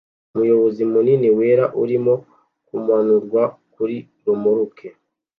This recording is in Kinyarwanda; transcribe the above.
Umuyoboro munini wera urimo kumanurwa kuri romoruki